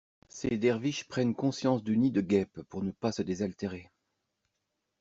Ces derviches prennent conscience du nid de guêpes pour ne pas se désaltérer.